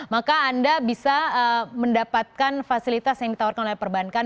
maka anda bisa mendapatkan fasilitas yang ditawarkan oleh perbankan